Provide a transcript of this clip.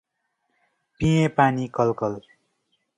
पिएँ पानी कलकल ।